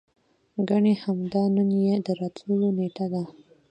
ګني همدا نن يې د راتللو نېټه ده.